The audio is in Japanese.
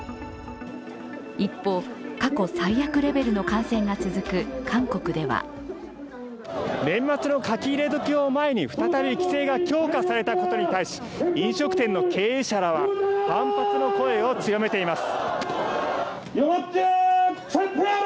一方、過去最悪レベルの感染が続く韓国では年末の書き入れ時を前に再び規制が強化されたことに対し飲食店の経営者らは反発の声を強めています。